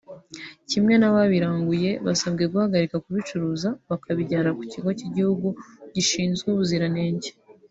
kimwe n’ababiranguye basabwe guhagarika kubicuruza bakabijyana ku kigo cy’igihugu gishinzwe ubuziranenge